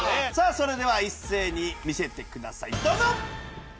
それでは一斉に見せてくださいどうぞ！